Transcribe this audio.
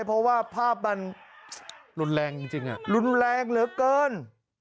เพราะว่าภาพมันรุนแรงจริงรุนแรงเหลือเกิน